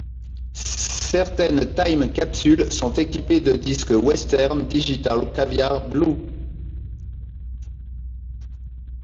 Certaines Time Capsule sont équipées de Disque Western Digital Caviar Blue.